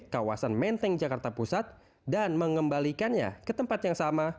kawasan menteng jakarta pusat dan mengembalikannya ke tempat yang sama